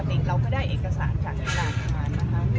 คือเราก็ได้เอกสารจากตลาดค้านะคะ